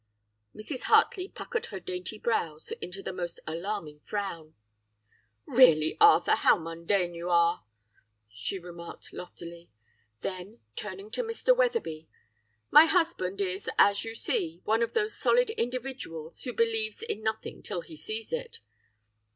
"Mrs. Hartley puckered her dainty brows into the most alarming frown. "'Really, Arthur! how mundane you are,' she remarked loftily; then, turning to Mr. Wetherby, 'My husband is, as you see, one of those solid individuals who believes in nothing till he sees it.